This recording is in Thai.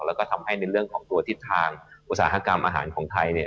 แล้วก็ทำให้ในเรื่องของตัวทิศทางอุตสาหกรรมอาหารของไทยเนี่ย